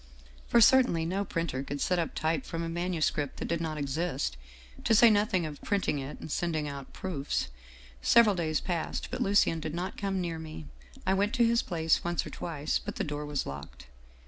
" For certainly no printer could set up type from a manu script that did not exist, to say nothing of printing it and sending out proofs. " Several days passed, but Lucien did not come near me. I went to his place once or twice, but the door was locked.